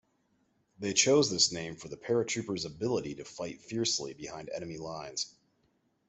They chose this name for the paratroopers' ability to fight fiercely behind enemy lines.